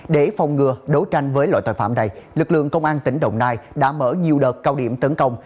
để phòng ngừa đấu tranh với loại tội phạm này lực lượng công an tỉnh đồng nai đã mở nhiều đợt cao điểm tấn công